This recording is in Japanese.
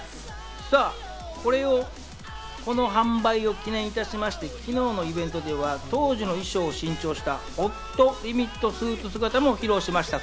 この販売を記念いたしまして、昨日のイベントでは当時の衣装を新調した『ＨＯＴＬＩＭＩＴ』スーツ姿も披露しました。